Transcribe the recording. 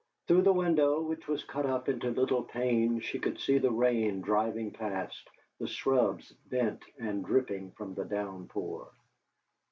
Through the window, which was cut up into little panes, she could see the rain driving past, the shrubs bent and dripping from the downpour.